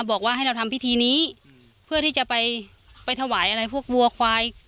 บอกว่าให้เราทำพิธีนี้เพื่อที่จะไปไปถวายอะไรพวกวัวควาย